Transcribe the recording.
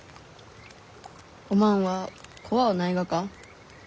おまんは怖うないがか？